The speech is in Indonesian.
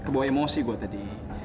kebawa emosi gue tadi